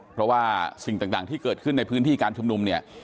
เพราะว่าสิ่งต่างที่เกิดขึ้นในพื้นที่การชุมนุมเนี่ย